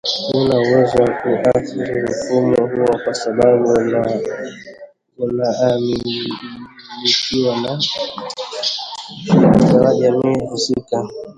Hana uwezo wa kuathiri mfumo huo kwa sababu unamilikiwa na ushirika wa jamii husika